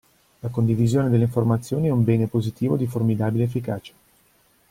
La condivisione delle informazioni è un bene positivo di formidabile efficacia.